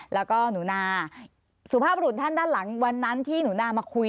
แล้วก็หนูนาสุภาพรุ่นท่านด้านหลังวันนั้นที่หนูนามาคุย